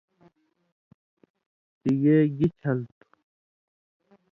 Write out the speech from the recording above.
تِگَے گِی چَھل تُھو؟